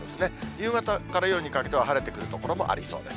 夕方から夜にかけては晴れてくる所もありそうです。